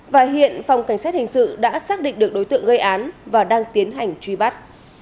và hiện phòng cảnh sát hình sự đã xác định được đối tượng gây án và đang tiến hành truy bắt